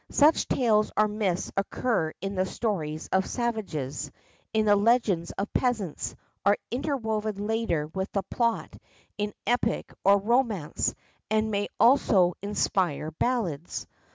Such tales or myths occur in the stories of savages, in the legends of peasants, are interwoven later with the plot in Epic or Romance, and may also inspire ballads.